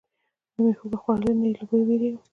نه مې هوږه خوړلې، نه یې له بویه ویریږم.